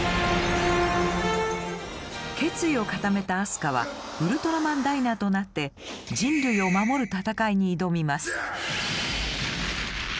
決意を固めたアスカはウルトラマンダイナとなって人類を守る戦いに挑みます。